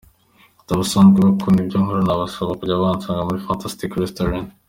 Ati “Abasanzwe bakunda ibyo nkora nabasaba kujya bansanga muri Fantastic Restaurant.